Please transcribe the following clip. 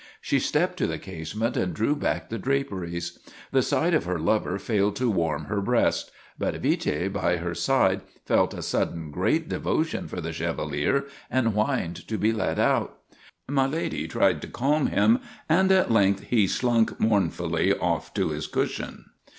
She stepped to the casement and drew back the draperies. The sight of her lover failed to warm her breast. But Vite, by her side, felt a sudden great devotion for the Chevalier and whined to be let out. My Lady tried to calm him and at length he slunk mournfully off to his cushion.